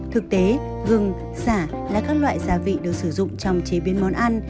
thực tế gừng xả là các loại gia vị được sử dụng trong chế biến món ăn